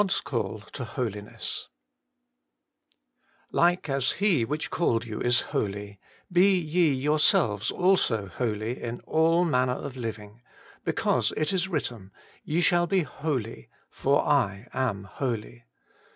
s Call to f&oiintss, < Like as He which called yon is holy, be ye yourselves also holy in all manner of living ; because it is written, Ye shall be holy, for I am holy.'